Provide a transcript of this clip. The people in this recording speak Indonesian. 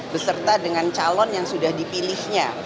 beserta dengan calon yang sudah dipilihnya